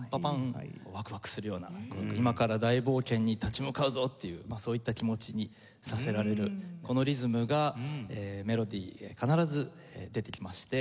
ワクワクするような今から大冒険に立ち向かうぞっていうそういった気持ちにさせられるこのリズムがメロディーに必ず出てきまして予測しやすい。